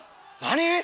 何？